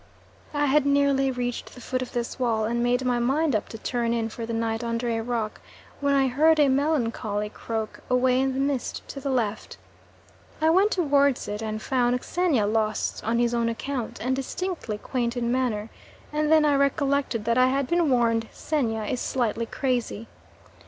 I had nearly reached the foot of this wall and made my mind up to turn in for the night under a rock, when I heard a melancholy croak away in the mist to the left. I went towards it and found Xenia lost on his own account, and distinctly quaint in manner, and then I recollected that I had been warned Xenia is slightly crazy.